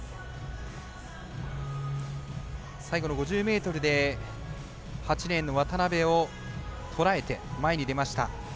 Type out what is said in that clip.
最後の５０ｍで８レーンの渡邊をとらえて、前に出ました。